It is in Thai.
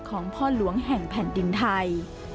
ของพ่อหลวงแห่งแผ่นดินไทย